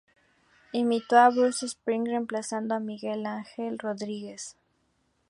Imitó a Bruce Springsteen, reemplazando a Miguel Ángel Rodríguez.